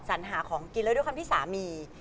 สัญหาของกินแล้วด้วยความที่สามี